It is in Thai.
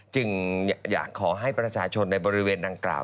จึงอยากขอให้ประชาชนในบริเวณดังกล่าว